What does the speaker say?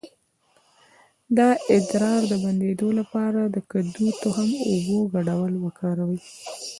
د ادرار د بندیدو لپاره د کدو د تخم او اوبو ګډول وکاروئ